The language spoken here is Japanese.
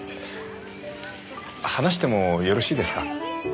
話してもよろしいですか？